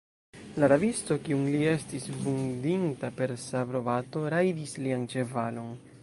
La rabisto, kiun li estis vundinta per sabrobato, rajdis lian ĉevalon.